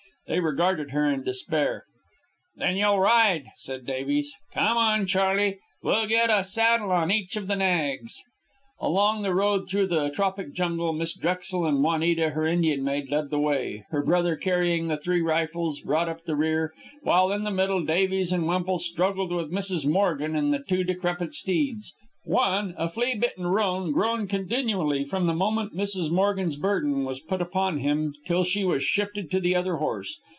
They regarded her in despair. "Then you'll ride," said Davies. "Come on, Charley. We'll get a saddle on each of the nags." Along the road through the tropic jungle, Miss Drexel and Juanita, her Indian maid, led the way. Her brother, carrying the three rifles, brought up the rear, while in the middle Davies and Wemple struggled with Mrs. Morgan and the two decrepit steeds. One, a flea bitten roan, groaned continually from the moment Mrs. Morgan's burden was put upon him till she was shifted to the other horse.